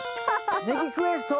ネギクエスト